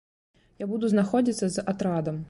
Я буду знаходзіцца з атрадам.